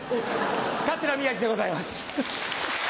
桂宮治でございます。